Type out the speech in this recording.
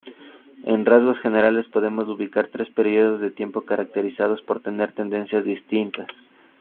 En rasgos generales podemos ubicar tres períodos de tiempo caracterizados por tener tendencias distintas.